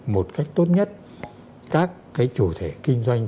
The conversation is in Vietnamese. một cách tốt nhất các chủ thể kinh doanh